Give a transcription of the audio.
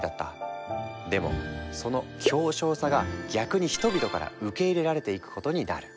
でもその狭小さが逆に人々から受け入れられていくことになる。